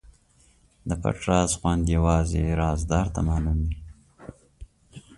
د پټ راز خوند یوازې رازدار ته معلوم وي.